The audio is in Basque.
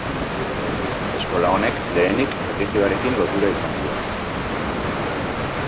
Eskola honek, lehenik, erlijioarekin lotura izan zuen.